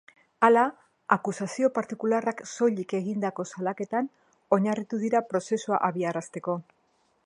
Hala, akusazio partikularrak soilik egindako salaketan oinarritu dira prozesua abiarazteko.